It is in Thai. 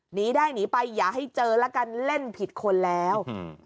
หนีได้หนีไปอย่าให้เจอแล้วกันเล่นผิดคนแล้วอืม